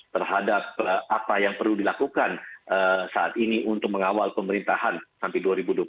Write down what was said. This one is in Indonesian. terhadap apa yang perlu dilakukan saat ini untuk mengawal pemerintahan sampai dua ribu dua puluh